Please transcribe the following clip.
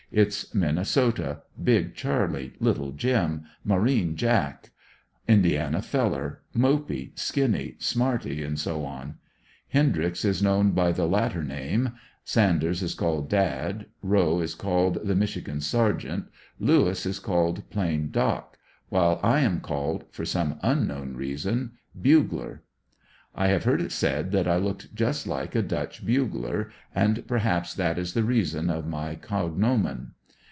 Its ''Minnesota," ''Big Charlie," ''Little Jim," " Marine Jack," "Indiana Feller," "Mopey," "Skinny," " Sniarty," &c. Hendryx is known b}^ the latter name, Sanders is called " Dad," Rowe is called the "Michigan Sergeant," Lewis is called plain "Doc." while I am called, for some unknown reason, "Bugler." I have heard it said that I looked just like a Dutch bugler, and perhaps that is the reasoa of my cognomen.